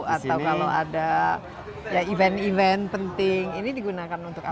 atau kalau ada event event penting ini digunakan untuk apa